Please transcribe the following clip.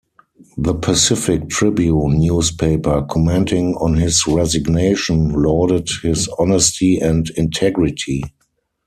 The "Pacific Tribune" newspaper, commenting on his resignation, lauded his honesty and integrity.